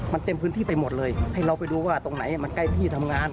มันเต็มพื้นที่ไปหมดเลยให้เราไปดูว่าตรงไหนมันใกล้ที่ทำงาน